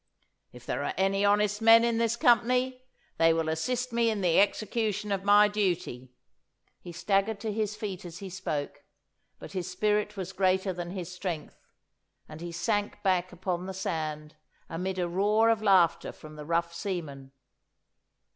If there are any honest men in this company, they will assist me in the execution of my duty.' He staggered to his feet as he spoke, but his spirit was greater than his strength, and he sank back upon the sand amid a roar of laughter from the rough seamen.